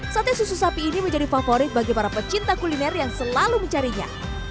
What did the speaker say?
sate susu sapi ini menjadi favorit bagi para pecinta kuliner yang selalu mencarinya